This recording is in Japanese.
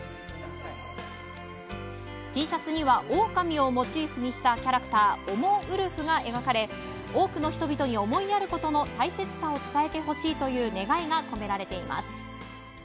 Ｔシャツにはオオカミをモチーフにしたキャラクターおもウルフが描かれ多くの人々に、思いやることの大切さを伝えてほしいという願いが込められています。